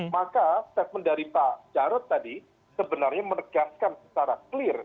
maka statement dari pak jarod tadi sebenarnya menegaskan secara clear